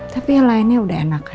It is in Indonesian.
tapi yang lainnya udah enak